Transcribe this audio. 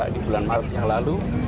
di bulan maret yang lalu